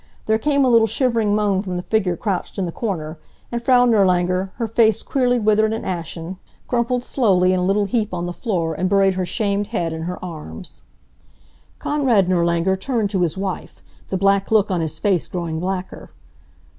There came a little shivering moan from the figure crouched in the corner, and Frau Nirlanger, her face queerly withered and ashen, crumpled slowly in a little heap on the floor and buried her shamed head in her arms. Konrad Nirlanger turned to his wife, the black look on his face growing blacker.